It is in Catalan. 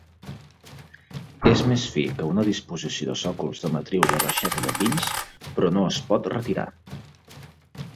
És més fi que una disposició de sòcols de matriu de reixeta de pins, però no es pot retirar.